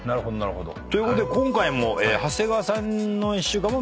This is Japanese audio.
ということで今回も長谷川さんの１週間も。